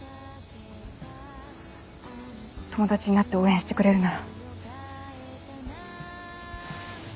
友達になって応援してくれるなら。